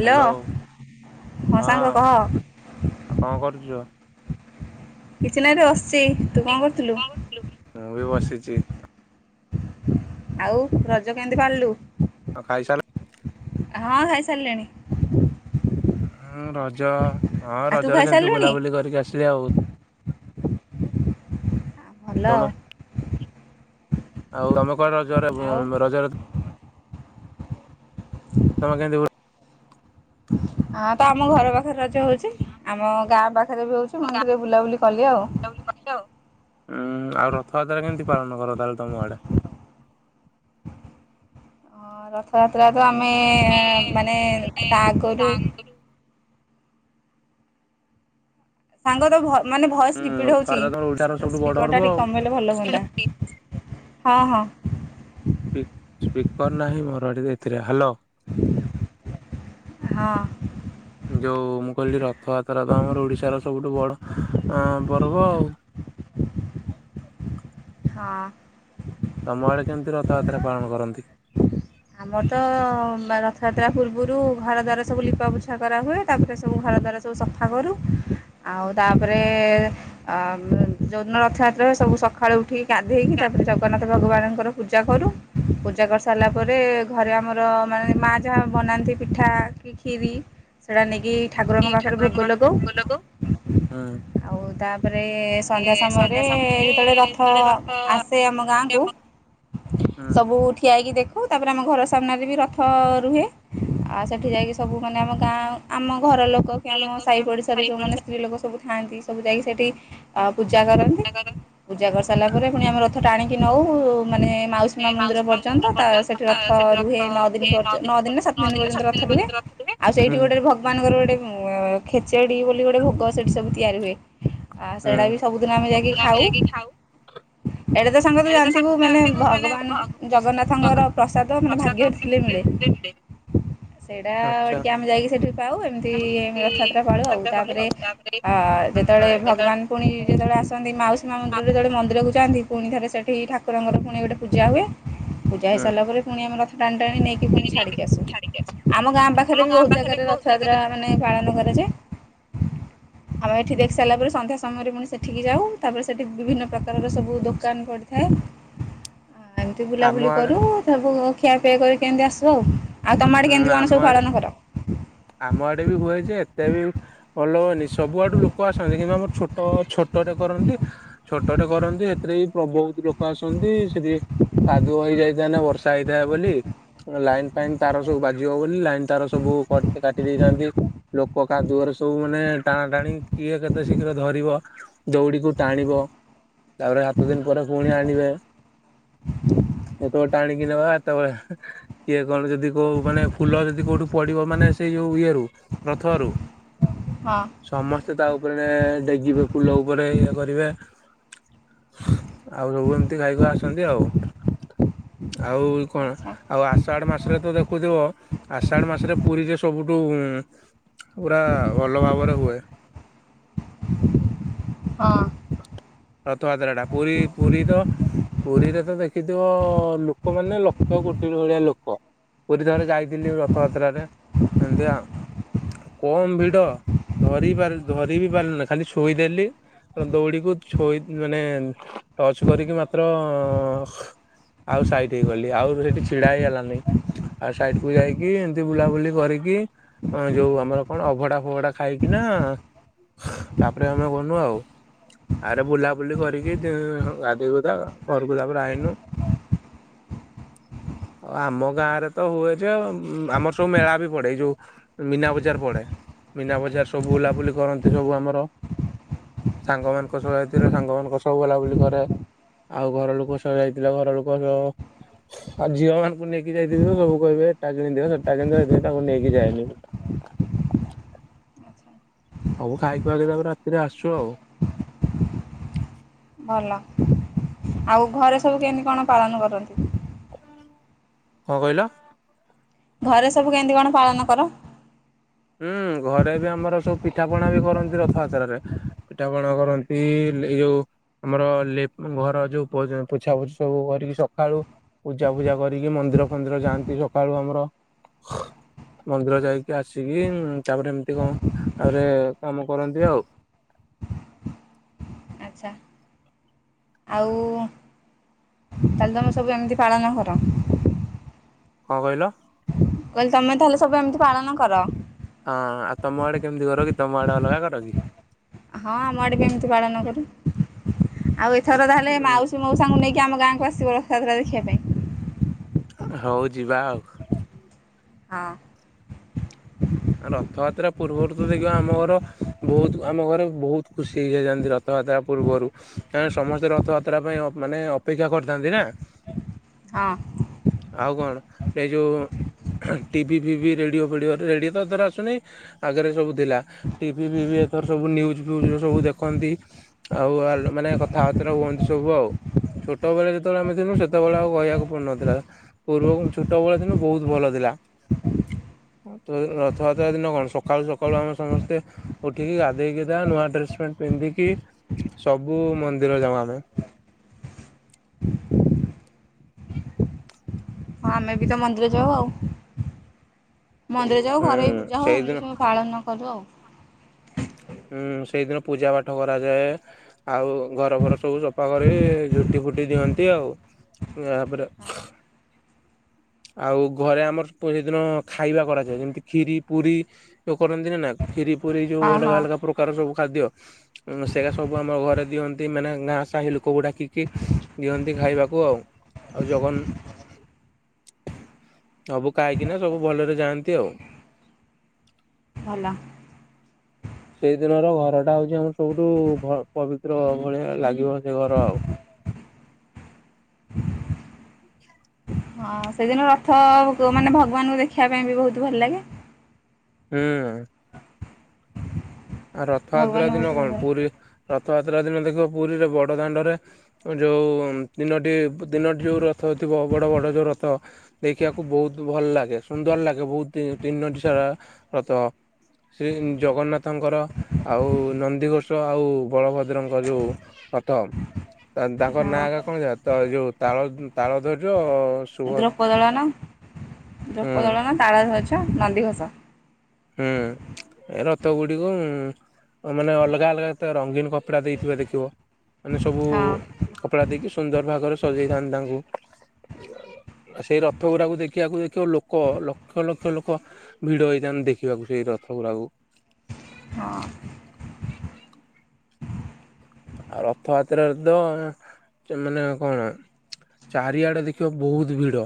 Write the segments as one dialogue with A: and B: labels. A: Hello ହଁ
B: ସାଙ୍ଗ କହ
A: ଆଉ କଣ କରୁଛୁ?
B: କିଛି ନାହିଁରେ ବ ଛି ତୁ କଣ କରୁଥିଲୁ?
A: ମୁଁ ବି ବସିଛି
B: ଆଉ ରଜ କେମିତି ପା୍ରଲୁ?
A: ଆଉ ଖାଇସାଲ
B: ହଁ ଖାଇସାରିଲିଣି।
A: ହୁଁ ରଜ ହଁ
B: ଆଉ ତୁ
A: ରଜରେ ସେମିତି
B: ଖାଇସାରିଲୁଣି
A: ବୁଲାବୁଲି କରିକି ଆସିଲି ଆଉ।
B: ଭଲ
A: ତମେ
B: ଆଉ।
A: ଆଉ ତମେ କୁଆଡେ ରଜ ରେ
B: ଆଉ
A: ବେଁ ରଜ ରେ ତମେ କେମିତି ବୁ
B: ହଁ ତ ଆମ ଘର ପାଖରେ ରଜ ହୋଉଚି ଆମ ଗାଁ ପାଖ ରେ ବି ହଉଚି ମୁଁ ଏମିତି ଟିକେ ବୁଲାବୁଲି କଲି ଆଉ।
A: ଉଁ ଆଉ ରଥଯାତ୍ରା କେମିତି ପାଳନ କର ତାହେଲେ ତମ ଆଡେ।
B: ହ ରଥଯାତ୍ରା ତ ଆମ ଆମେ ମାନେ ତା ଆଗାରୁ ସାଙ୍ଗ ତ ଭଲ ମାନେ ଭଏସ୍
A: ହୁଁ
B: ରିପିଟ୍ ହେଉଚି
A: ରଥଯାତ୍ରା ତମର ଓଡିଶାର
B: ସ୍ପି
A: ସବୁଠୁ ବଡ ପର୍ବ
B: ସ୍ପିକର୍ଟା ଟିକେ
A: ଆଉ।
B: କମେଇଲେ ଭଲ ହୁଅନ୍ତା। ହଁ ହଁ।
A: ସ୍ପି ସ୍ପିକର ନାହିଁ ମୋରଏଠି ଏଥିରେ ହ୍ୟାଲୋ।
B: ହଁ।
A: ଯୋଉ ମୁଁ କହିଲି ରଥଯାତ୍ରା ତ ଆମର ଓଡିଶାର ସବୁଠୁ ଅଁ ବଡ ପର୍ବ ଆଉ।
B: ହଁ।
A: ତମ ଆଡ଼େ କେମିତି ରଥଯାତ୍ରା ପାଳନ କରନ୍ତି?
B: ଆମର ତ ରଥଯାତ୍ରା ପୂର୍ବରୁ ଘର ଦ୍ୱାର ସବୁ ଲିପାପୋଛା କରାହୁଏ ତାପରେ ସବୁ ଘର ଦ୍ୱାର ସବୁ ସଫା କରୁ ଆଉ ତାପରେ ଆ ଯେଉଁଦିନ ରଥଯାତ୍ରା ହୁଏ ସବୁ ସକାଳୁ ଉଠି ଗାଧେଇକି ତାପରେ ଜଗନ୍ନାଥ ଭଗବାନଙ୍କର ପୂଜା କରୁ ପୂଜା କରି ସାରିଲା ପ ତାପରେ ଘରେ ଆମର ମାନେ ମାଆ ଯାହା ବନାନ୍ତି ପିଠା କି ଖିରି ସେଇଟା ନେଇକି ଠାକୁରଙ୍କ ପାଖରେ ଭୋଗ ଲଗୋଉ
A: ହୁଁ
B: ଆଉ ତା ତାପରେ ସନ୍ଧ୍ୟା ସମୟରେ ଯେତେବେଳେ ରଥ ଆସେ ଆମ ଗାଁକୁ
A: ହୁଁ
B: ସବୁ ଠିଆଇକି ଦେଖୁ। ହଉ ତାପରେ ଆମ ଘର ସାମ୍ନାରେ ବି ରଥ ରୁହେ ଆଉ ସେଠି ଯାଇକି ସବୁ ମାନେ ଆମ ଗାଁ ଆମ ଘର ଲୋକ କି ଆମ ସାହି ପଡ଼ିଶାରୁ ଯୋଉମାନେ ସ୍ତ୍ରୀ ଲୋକ ସବୁ। ଥାଆନ୍ତି ସବୁ ଯାଇକି ସେଠି ଅ ପୂଜା କରନ୍ତି ପୂଜା କରିସାରିଲା ପରେ ପୁଣି ଆମର ତ ଟାଣିକି ନଉ ମାନେ ମାଉସୀ ମା ମନ୍ଦିର ପର୍ଯ୍ୟନ୍ତ ତା ରଥ ରୁହେ ନଅ ଦିନ ପର୍ଜ ନଅ ଦିନ ନା ସାତ ଦିନ ପର୍ଯ୍ୟନ୍ତ ରଥ ରୁହେ ଆଉ
A: ହୁଁ
B: ସେଇଠି ଗୋଟେ ଭଗବାନଙ୍କର ଗୋଟେ ଅଁ ଖେଚେଡ଼ି ଡି ବୋଲି ଗୋଟେ ଭୋଗ ସେଠି ସବୁ ତିଆରି ହୁଏ। ଆ ସେଇଟା ବି
A: ହୁଁ
B: ସବୁଦିନ ଆମେ ଯାଇକି ଖାଉ ଏଇଟା ତ ସାଙ୍ଗ ତୁ ଜାଣିଥିବୁ ମାନେ ଭଗବାନ ଜଗନ୍ନାଥଙ୍କର ପ୍ରସାଦ ମାନେ ଭାଗ୍ୟରେ ଥିଲେ ମିଳେ। ସେଇଟା
A: ଆଚ୍ଛା
B: ଟିକେ ଆମେ ଯାଇକି ସେଇଠି ପାଉ ଏମିତି ରଥଯାତ୍ରା ପାଳୁ ଆଉ ତାପରେ ଯେତେବେଳେ ଭଗବାନ ପୁଣି ଯେତେବେଳେ ଆସନ୍ତି ମାଉସୀ ମା ମନ୍ଦିରରେ ଯେତେବେଳେ ମନ୍ଦିରକୁ ନ୍ତି ପୁଣି ଥରେ ସେଠି ଠାକୁରଙ୍କର ପୁଣି ଗୋଟେ ପୂଜା ହୁଏ। ହେଇ
A: ହୁଁ
B: ସରିଲା ପରେ ପୁଣି ଆମର ତାଙ୍କ ନେଇକି ପୁଣି ଛାଡିକି ଆସୁ ଆମ ଗାଁ ପାଖରେ ବି ବହୁତ ଜାଗାରେ ରଥଯାତ୍ରା ମାନେ ପାଳନ କରାଯାଏ। ଆମେ ଏଠି ଦେଖି ସାରିଲା ପରେ ସନ୍ଧ୍ୟା ସମୟରେ ପୁଣି ସେଠିକି ଯାଉ ତାପରେ ସେଠି ବିଭିନ୍ନ ପ୍ରକାରର ସବୁ ଦୋକାନ ପଡ଼ିଥାଏ। ହ ଏମିତି
A: ଆମ
B: ବୁଲାବୁଲି
A: ଆଡେ
B: କରୁ। ଖିଆପିଆ କରିିକି କେମିତି ଆସିବ ଆଉ। ଆଉ ତମ ଆଡେ
A: ହୁଁ
B: କେମିତି କଣ
A: ଆମ
B: ସବୁ
A: ଆଡେ
B: ପାଳନ କର।
A: ଆମ ଆଡେ ବି ହୁଏ ଯେ ଏତେ ବି ଭଲ ହୁଏନି। ସବୁଆଡୁ ଲୋକ ଆସନ୍ତି କିନ୍ତୁ ଆମର ଛୋଟ ଛୋଟଟେ କରନ୍ତି। ଛୋଟଟେ କରନ୍ତି ସେଥିରେ ବି ବହୁତ ଲୋକ ଆସନ୍ତି ସେଠି କାଦୁଅ ହେଇଯାଇଥାଏନା ବର୍ଷା ହେଇଥାଏ ବୋଲି। ଲାଇନ୍ ଫାଇନ ତାର ସବୁ ବାଜିବ ବୋଲି ଲାଇନ୍ ତାର ସବୁ କଟ କାଟି ଦେଇଥାନ୍ତି। ଲୋକ କାଦୁଅରେ ସବୁ ମାନେ ଟାଣା ଟାଣି କିଏ କେତେ ଶୀଘ୍ର ଧରି ଦଉଡିକୁ ଟାଣିବ ତାପରେ ସାତ ଦିନ ପରେ ପୁଣି ଆଣିବେ। ଯେତେବେଳେ ଟାଣିକି ନେବା ସେତେବେଳେ କିଏ କଣ ଯଦି କୋଉ ମାନେ ଫୁଲ ଯଦି କୋଉଠୁ ପଡିବ ମାନେ ସେ ଯୋଉ ଇଏ ରୁ ରଥ ରୁ
B: ହଁ।
A: ସେ ତା ଉପରେ ଡେଗିବେ ଫୁଲ ଉପରେ ଇଏ କରିବେ। ଆଉ ସବୁ ଏମତି ଗାଇକ ଆସନ୍ତି। ଆଉ ଆଉ କଣ
B: ଆଚ୍ଛା
A: ଆଉ ଆଷାଢ ମାସରେ ତ ଦେଖୁଥିବ ଆଷାଢ ମାସରେ ପୁରୀ ଯେ ସବୁଠୁ ପୁରା ଭଲ ଭାବରେ ହୁଏ। [inaudible]
B: ହଁ
A: ରଥଯାତ୍ରା ଟା ପୁରୀ ପୁରୀ ତ ପୁରୀରେ ତ ଦେଖିଥିବ ଲୋକମାନୋନେ ଲକ୍ଷ କୋଟିରୁ ଭଳିଆ ଲୋକ। ପୁରୀ ଥରେ ଯାଇଥିଲି ରଥଯାତ୍ରାରେ ଏମିତିଆ କମ ଭିଡ ଧରି ପା ଧରି ବି ପାରିଲନି ଖାଲି ଶୋଇଥିଲି ଦୌଡିକୁ ଛୋଇ ମାନେ ଟଚ କରିକି ମାତ୍ର ଆଉ ସାଇଡ ହେଇଗଲି। ଆଉ ସେଇଠି ଛିଡା ହେଇହେଲାନି ଆଉ ସାଇଡ କୁ ଯାଇକି ଏମିତି ବୁଲାବୁଲି କରିକି ଯୋଉ ଆମର କଣ ଅଭଡା ଫଭଡା ଖାଇକିନା ତାପରେ ଆମେ ଗଲୁ ଆଉ। ଆରେ ବୁଲାବୁଲି କରିକି ଗାଧେଇବୁ ତ ଘରକୁ ତାପରେ ଆଇଲୁ। [inaudible] ଆଉ ଆମ ଗାଁ ରେ ତ ହୁଏ ଯେ ଆମର ସବୁ ମେଳା ବି ପଡେ ଏଇ ଯୋଉ ମୀନା ବଜାର ପଡେ। ମୀନା ବଜାର ସବୁ ବୁଲାବୁଲି କରନ୍ତି ସବୁ ଆମର ସାଙ୍ଗ ମା ଲୋକସବୁ ଆଇଥିଲେ ସାଙ୍ଗମାନଙ୍କ ସହ ବୁଲାବୁଲି କରେ, ଆଉ ଘର ଲୋକ ସହ ଯାଇଥିଲେ ଘର ଲୋକ ସହ ଆଉ ଝିଅ ମାନଙ୍କୁ ନେଇକି ଯାଇଥିବେ ତ ସବୁ କହିବେ ଏଟା କେମି ସେଟା କେମିତି ଯାଇଥିବେ ତାଙ୍କୁ ନେଇକି ଯାଏନି। ସବୁ ଖାଇପିକି ତାପରେ ରାତିରେ ଆସୁ ଆଉ। [inaudible]
B: ଭଲ ଆଉ ଘରେ ସବୁ କେମିତି କଣ ପାଳନ କରନ୍ତି?
A: କଣ କହିଲ?
B: ଘରେ ସବୁ କେମିତି କଣ ପାଳନ କର?
A: ହୁଁ ଘରେ ବି ଆମର ସବୁ ପିଠାପଣା ବି କରନ୍ତି ରଥଯାତ୍ରାରେ। ପିଠାପଣା କରନ୍ତି। ଏ ଯୋଉ ଆମର ଘର ଯୋଉ ପୋଛା ପୋଛି ସବୁ କରିକି ସକାଳୁ ପୂଜା ଫୂଜା କରିକି ମନ୍ଦିର ଫନ୍ଦିର ଯାଆନ୍ତି ସକାଳୁ ଆମର। ମନ୍ଦିର ଯାଇକି ଆସି ତାପରେ ଏମିତି କଣ ତାପରେ କାମ କରନ୍ତି ଆଉ।
B: ଆଚ୍ଛା। ଆଉ ତାହେଲେ ତମର ସବୁ ଏମିତି ପାଳନ କର।
A: କଣ କହିଲ?
B: କହିଲି ତମେ ତାହେଲେ ସବୁ ଏମିତି ପାଳନ କର।
A: ହଁ ଆଉ ତମ ଆଡେ କେମିତି କର କି ତମ ଆଡେ ଅଲଗା କର କି?
B: ହଁ ଆମ ଆଡ଼େ ବି ଏମିତି ପାଳନ କରୁ। ଆଉ ଥର ତାହ ହେଲେ ମାଉସୀ ମଉସାଙ୍କୁ ନେଇକି ଆମ ଗାଁକୁ ଆସିବ ରଥଯାତ୍ରା ଦେଖିବା ପାଇଁ।
A: ହଉ ଯିବା ଆଉ।
B: ହଁ।
A: ରଥଯାତ୍ରା ପୂର୍ବରୁ ତ ଦେଖିବ ଆମ ଘର ବହୁତ ଆମ ଘରେ ବହୁତ ଖୁସି ହେଇଯାଇଥାନ୍ତି ରଥଯାତ୍ରା ପୂର୍ବରୁ। କାରଣ ସମସ୍ତେ ରଥଯାତ୍ରା ପାଇଁ ମାନେ ଅପେକ୍ଷା କରିଥାନ୍ତି। ନା
B: ହଁ
A: ଆଉ କଣ ଏ ଯୋଉ ଟିଭି ଫିଭି ରେଡିଓ ଫେଡିଓ ରେଡି ଆସୁନି ଆଗରେ ସବୁ ଥିଲା ଟିଭି ଫିଭି ଏଥର ସବୁ ନ୍ୟୁଜ ଫିଜ ସବୁ ଦେଖନ୍ତି ଆଉ ମାନେ କଥାବାର୍ତ୍ତା ହୁଅନ୍ତି ସବୁ ଆଉ। ଛୋଟବେଳେ ଯେତେବେଳେ ଆମେ ଥିଲୁ ସେତେବେଳେ ଆଉ କହିବାକୁ ପଡୁନଥିଲା। ପୂର୍ବ ଛୋଟବେଳେଥିଲୁ ବହୁତ ଭଲ ଥିଲା ରଥଯାତ୍ରା ଦିନ କଣ ସକାଳୁ ସକାଳୁ ଆମେ ସମସ୍ତେ ଉଠିକି ଗାଧେଇକି ସିଧା ନୂଆ ଡ୍ରେସ ପ୍ୟାଣ୍ଟ ପିନ୍ଧିକି ସବୁ ମନ୍ଦିର ଯାଉ ଆମେ।
B: ହଁ ଆମେ ବି ତ ମନ୍ଦିର ଯାଉ ଆଉ। ମନ୍ଦିର ଯାଉ
A: ହୁଁ
B: ଘରେ ବି ପୂଜା ହୁଏ
A: ସେଇଦିନ
B: ଏମିତିସବୁ ପାଳନ କରୁ ଆଉ।
A: ହୁଁ ସେଇଦିନ ପୂଜା ପାଠ କରାଯାଏ। ଆଉ ଘରଫର ସବୁ ସଫା କରି ଝୋଟି ଫୋଟି ଦିଅନ୍ତି ଆଉ। ତାପରେ ଆଉ ଘରେ ଆମର ସେଦିନ ଖାଇବା କରାଯାଏ ଯେମିତି କ୍ଷୀରି, ପୁରୀ ଯୋଉ କରନ୍ତିନିନା କ୍ଷୀରି, ପୁରୀ ଯୋଉ
B: ହଁ
A: ଅଲଗା
B: ହଁ
A: ଅଲଗା ପ୍ରକାର ସବୁ ଖାଦ୍ୟ ସେଇଟା ସବୁ ଆମ ଘରେ ଦିଅନ୍ତି ମାନେ ଗାଁ ସାହି ଲୋକକୁ ଡାକିକି ଦିଅନ୍ତି ଖାଇବାକୁ ଆଉ ଆଉ ଜଗନ ସବୁ ଖାଇକିନା ସବୁ ଭଲରେ ଯାଆନ୍ତି ଆଉ।
B: ଭଲ।
A: ସେଇଦିନର ଘର ଟା ହଉଛି ଆମର ସବୁଠୁ ପବିତ୍ର ଭଳିଆ ଲାଗିବ ସେ ଘର ଆଉ।
B: ହଁ ସେଦିନ ରଥ ମାନେ ଭଗବାନଙ୍କୁ ଦେଖିବା ପାଇଁ ବି ବହୁତ ଭଲ ଲାଗେ।
A: ହୁଁ। ଆଉ
B: ଭଗବାନ
A: ରଥଯାତ୍ରା ଦିନ
B: ବହୁତ
A: କଣ
B: ହଁ
A: ପୁରୀ ର ରଥଯାତ୍ରା ଦିନ ଦେଖିବ ପୁରୀରେ ବଡ଼ଦାଣ୍ଡରେ ଯୋଉ ତିନୋଟି ତିନୋଟି ଯୋଉ ରଥ ଥିବ ବଡ଼ ବଡ଼ ଯୋଉ ରଥ ଦେଖିବାକୁ ବହୁତ ଭଲ ଲାଗେ ସୁନ୍ଦର ଲାଗେ ବହୁତ ତିନୋଟି ସାରା ରଥ ଶ୍ରୀ ଜଗନ୍ନାଥ ରଥଙ୍କର ଆଉ ନନ୍ଦିଘୋଷ ଆଉ ବଳଭଦ୍ରଙ୍କର ଯୋଉ ରଥ ତାଙ୍କର ନାଁ କଣ ହେକା କଣ ଯାଏ ତ ଯୋଉ ତାଳ ତାଳଧ୍ୱଜ ସୁଭ
B: ଦ୍ରପଦଳନ ନା
A: ହୁଁ
B: ଦର୍ପଦଳନ ତାଳଧ୍ୱଜ ଏଇଟା ନନ୍ଦିଘୋଷ।
A: ହୁଁ ଏ ରଥ ଗୁଡିକୁ ମାନେ ଅଲଗା ଅଲଗା ରଙ୍ଗୀନ କପଡା ଦେଇଥିବେ ଦେଖିବ। ମାନେ ସବୁ
B: ହଁ
A: କପଡା ଦେଇକି ସୁନ୍ଦର ଭାଗରେ ସଜେଇଥାନ୍ତି ତାଙ୍କୁ ଆ ସେଇ ରଥ ଗୁରାକୁ ଦେଖିବାକୁ ଦେଖିବ ଲୋକ ଲକ୍ଷ ଲକ୍ଷ ଲୋକ ଭିଡ ହୋଇଥାନ୍ତି ଦେଖ ଦେଖିବାକୁ ସେଇ ରଥ ଗୁରାକୁ।
B: ହଁ
A: ଆଉ ରଥଯାତ୍ରାରେ ତ ମାନେ କଣ ଚାରିଆଡେ ଦେଖିବ ବହୁତ ଭିଡ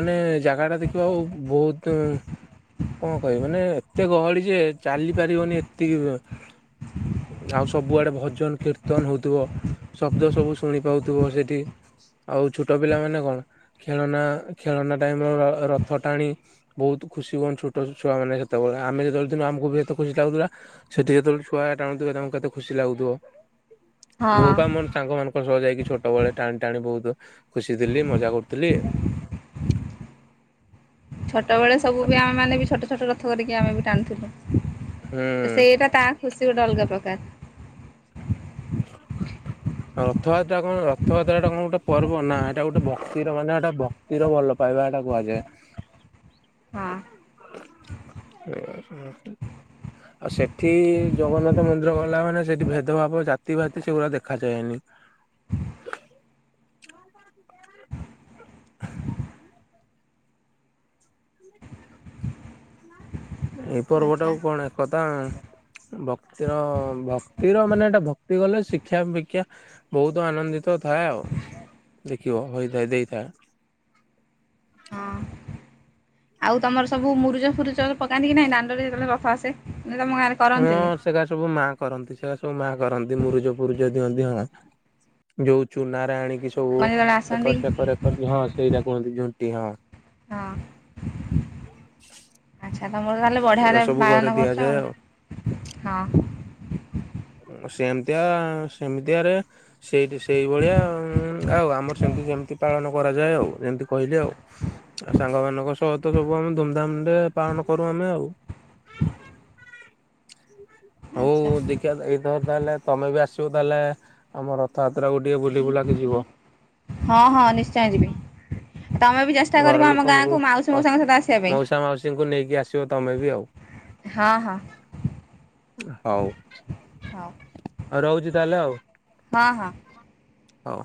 A: ମାନେ ଜାଗା ଟା ଦେଖିବ ଆଉ ବହୁତ କଣ କହିବି ମାନେ ଏତେ ଗହଳି ଯେ ଚାଲି ପାରିବନି ଏତିକି ଆଉ ସବୁଆଡେ ଭଜନ କୀର୍ତ୍ତନ ହଉଥିବ ଶବ୍ଦ ସବୁ ଶୁଣି ପାଉଥିବ ସେଠି ଆଉ ଛୋଟ ପିଲାମାନେ କଣ ଖେଳନା ଖେଳନା ଟାଇମର ରଥ ଟାଣି ବହୁତ ଖୁସି ହୁଅନ ଛୋଟ ଛୁଆ ମାନେ ସେତେବେଳେ ଆମେ ଯେତେବେଳେ ଥିଲୁ ଆମକୁ ବି ଏତେ ଖୁସି ଲାଗୁଥିଲା ସେଠି ଯେତେବେଳେ ଛୁଆ ଟାଣୁଥିବେ ତାଙ୍କୁ କେତେ ଖୁସି ଲାଗୁଥିବ।
B: ହଁ
A: ମୁଁ ବା ମୋ ସାଙ୍ଗମାନଙ୍କୁ ସହ ଯାଇକି ଛୋଟବେଳେ ଟାଣି ଟାଣି ବହୁତ ଖୁସି ଥିଲି ମଜା କରୁଥିଲି।
B: ଛୋଟବେଳେ ସବୁ ବି ଆମେ ମାନେ ଛୋଟ ଛୋଟ ରଥ କରିକି ଆମେ ବି ଟାଣୁଥିଲୁ।
A: ହୁଁ
B: ସେଇଟା ତା ଖୁସି ଗୋଟେ ଅଲଗା ପ୍ରକା ର।
A: ରଥଯାତ୍ରା କଣ ରଥଯାତ୍ରାଟା କଣ ଗୋଟେ ପର୍ବ ନା ଏଇଟା ଗୋଟେ ଭକ୍ତିର ମାନେ ଏଟା ଭକ୍ତିର ଭଲ ପାଇବା ଏଟା କୁହାଯାଏ
B: ହଁ
A: ଆଉ ସେଠି ଜଗନ୍ନାଥ ମନ୍ଦିର ଗଲା ମାନେ ସେଠି ଭେଦଭାବ ଜାତି ଭାତି ସେଗୁଡା ଦେଖ ଦେଖାଯାଏନି। [inaudible] ଏଇ ପର୍ବ
B: ଆଚ୍ଛା
A: ଟାକୁ କଣ ଏକତା ଭକ୍ତିର ଭକ୍ତିର ମାନେ ଏଟା ଭକ୍ତି କଲେ ଶିକ୍ଷା ଭିକ୍ଷା ବହୁତ ଆନନ୍ଦିତ ଥାଏ ଆଉ ଦେଖିବ ହୋଇଥାଏ ଦେଇଥାଏ।
B: ହଁ। ଆଉ ତମର ସବୁ ମୁରୁଚ ଫୁରୁଚ ପକାନ୍ତି କି ନାଇଁ ଦାଣ୍ଡରେ ଯେତେବେଳେ ରଥ ଆସେ। ନା ତମ ଗାଁରେ
A: ହଁ
B: କରନ୍ତିନି?
A: ସେଗା ସବୁ ମା କରନ୍ତି ସେରା ସବୁ ମା କରନ୍ତି ମୁରୁଜ ପୁରୁଜ ଦିଅନ୍ତି ହଁ ଯୋଉ ଚୁନାରେ ଆଣି
B: ହଁ
A: ସବୁ
B: ଆପଣ ଯେତେବେଳେ ଆସନ୍ତି
A: ଏକର ସେକର ଏକର ହଁ ସେଇଟା କୁହନ୍ତି ଝୋଟି ହଁ।
B: ହଁ।
A: ହଁ।
B: ଆଚ୍ଛା ତମର ତାହେଲେ ବଢିଆରେ ପାଳନ କରୁଛ ଆଉ ହଁ।
A: ସେମତିଆ ସେମିତିଆରେ ସେ ସେଇଭଳିଆ ଆଉ ଆମର ସେମିତି ସେମିତି ପାଳନ କରାଯାଏ ଆଉ ଯେମିତି କହିଲି ଆଉ ସାଙ୍ଗ ମାନଙ୍କ ସହିତ ସବୁ ଆମେ ଧୁମଧାମରେ ପାଳନ କରୁ ଆମେ ଆଉ। ହଉ
B: ଆଚ୍ଛା
A: ଦେଖିବା ଏଇଥର ତାହେଲେ ତମେ ବି ଆସିବ ତାହେଲେ ଆମ ରଥଯାତ୍ରାକୁୁ ଟିକେ ବୁଲି ବୁଲାକି ଯିବ।
B: ହଁ ହଁ ନିଶ୍ଚୟ ଯିବି। ତମେ ବି ଚେଷ୍ଟା କରିବ
A: ଘର
B: ଆମ
A: ଲୋକଙ୍କୁ
B: ଗାଁକୁ ମାଉସୀ
A: ଅ
B: ମଉସାଙ୍କ ସହିତ ଆସିବା ପାଇଁ।
A: ମାଉସା ମାଉସୀଙ୍କୁ ନେଇକି ଆସିବ ତମେ ବି ଆଉ
B: ହଁ ହଁ
A: ହଉ।
B: ହଉ
A: ଆଉ ରହୁଛି ତାହେଲେ ଆଉ।
B: ହଁ ହଁ।
A: ହଉ।